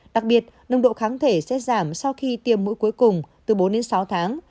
đặc biệt nồng độ kháng thể sẽ giảm sau khi tiêm mũi cuối cùng từ bốn đến sáu tháng